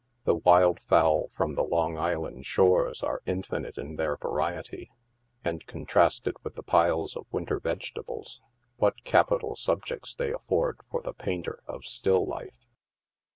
The wild fowl from the Long Island shores are infinite in their variety, and, contrasted with the pile3 of winter vegetables, what capital subjects they afford for the painter of still life